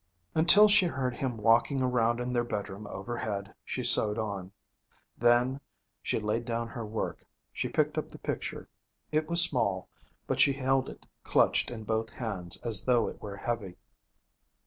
Until she heard him walking around in their bedroom overhead, she sewed on. Then she laid down her work. She picked up the picture. It was small, but she held it clutched in both hands, as though it were heavy.